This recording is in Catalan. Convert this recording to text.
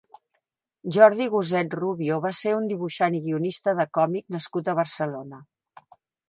Jordi Goset Rubio va ser un dibuixant i guionista de còmic nascut a Barcelona.